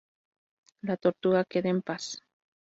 La tortuga queda en paz"".